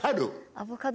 アボカド！